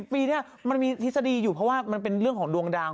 ปีนี้มันมีทฤษฎีอยู่เพราะว่ามันเป็นเรื่องของดวงดาว